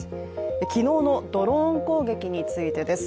昨日のドーロン攻撃についてです。